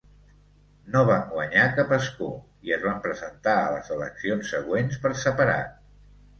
No van guanyar cap escó i es van presentar a les eleccions següents per separat.